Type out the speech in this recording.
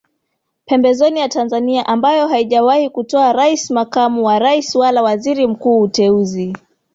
pembezoni ya Tanzania ambayo haijawahi kutoa Rais Makamu wa Rais wala Waziri Mkuu Uteuzi